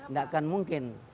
nggak akan mungkin